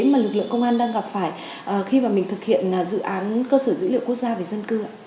mà lực lượng công an đang gặp phải khi mà mình thực hiện dự án cơ sở dữ liệu quốc gia về dân cư ạ